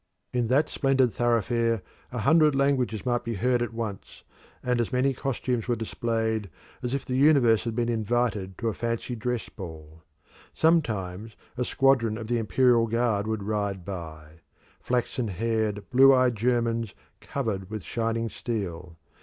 In that splendid thoroughfare a hundred languages might be heard at once, and as many costumes were displayed as if the universe had been invited to a fancy dress ball. Sometimes a squadron of the Imperial Guard would ride by flaxen haired, blue eyed Germans covered with shining steel.